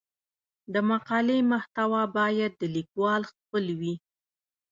د مقالې محتوا باید د لیکوال خپل وي.